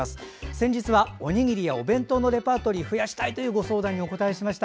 先日はおにぎりやお弁当のレパートリーを増やしたいというご相談にお答えしました。